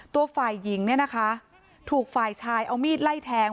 ตัวฝ่ายหญิงเนี่ยนะคะถูกฝ่ายชายเอามีดไล่แทง